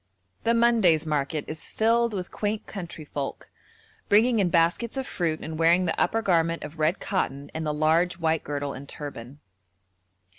The Monday's market is filled with quaint countryfolk, bringing in baskets of fruit and wearing the upper garment of red cotton and the large white girdle and turban.